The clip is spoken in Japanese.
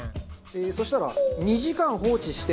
そしたら２時間放置して。